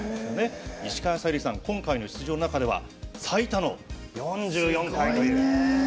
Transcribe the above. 石川さゆりさんは今回の出場の中では最多４４回という。